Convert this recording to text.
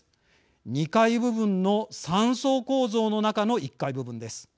２階部分の３層構造の中の１階部分です。